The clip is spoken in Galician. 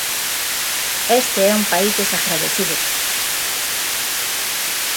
Este é un país desagradecido.